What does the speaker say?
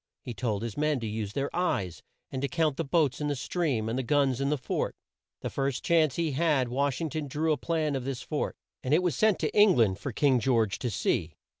He told his men to use their eyes, and to count the boats in the stream, and the guns in the fort. The first chance he had, Wash ing ton drew a plan of this fort, and it was sent to Eng land for King George to see.